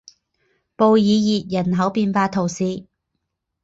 布尔热人口变化图示